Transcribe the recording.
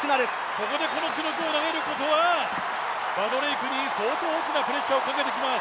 ここでこの記録を投げることは、バドレイクに相当大きなプレッシャーをかけてきます。